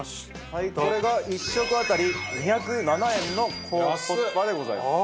はいこれが１食あたり２０７円の高コスパでございます。